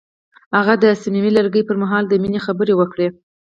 هغه د صمیمي لرګی پر مهال د مینې خبرې وکړې.